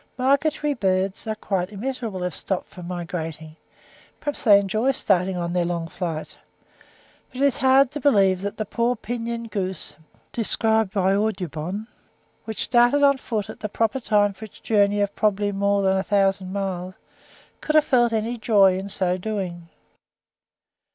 Migratory birds are quite miserable if stopped from migrating; perhaps they enjoy starting on their long flight; but it is hard to believe that the poor pinioned goose, described by Audubon, which started on foot at the proper time for its journey of probably more than a thousand miles, could have felt any joy in doing so.